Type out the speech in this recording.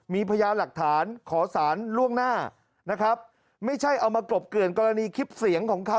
มีพยานหลักฐานขอสารล่วงหน้านะครับไม่ใช่เอามากรบเกลื่อนกรณีคลิปเสียงของเขา